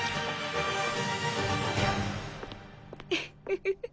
フフフ。